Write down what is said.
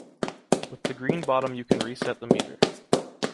With the green bottom you can reset the meter.